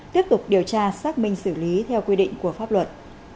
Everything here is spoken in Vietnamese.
tiếp tục điều tra xác minh xử lý theo quy định của pháp luật